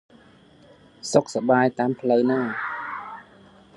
សុខសប្បាយតាមផ្លូវណា៎!